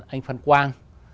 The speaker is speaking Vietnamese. anh phan quang